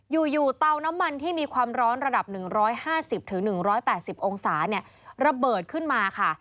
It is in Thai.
อยู่เตาน้ำมันที่มีความร้อนระดับ๑๕๐๑๘๐องศาเนี่ยระเบิดขึ้นมาค่ะ